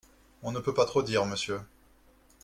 On ne peut pas trop dire, monsieur.